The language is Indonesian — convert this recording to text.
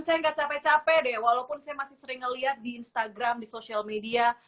saya nggak capek capek deh walaupun saya masih sering ngeliat di instagram di sosial media